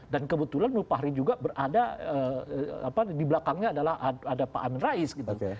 dan kebetulan mulfahri juga di belakangnya ada pak amin rais gitu